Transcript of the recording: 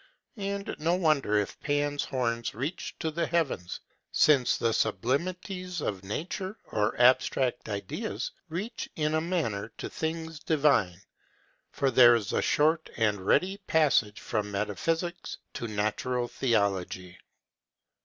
And no wonder if Pan's horns reach to the heavens, since the sublimities of nature, or abstract ideas, reach in a manner to things divine; for there is a short and ready passage from metaphysics to natural theology.